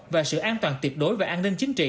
và sự an toàn tiệt đối và an ninh chính trị